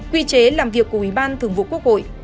quy chế làm việc của ủy ban thường vụ quốc hội